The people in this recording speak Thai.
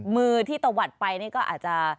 มือที่ตวัดไปก็อาจจะ